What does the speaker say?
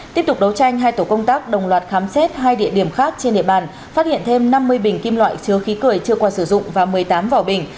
tiếp tục đấu tranh hai tổ công tác đồng loạt khám xét hai địa điểm khác trên địa bàn phát hiện thêm năm mươi bình kim loại chứa khí cười chưa qua sử dụng và một mươi tám vỏ bình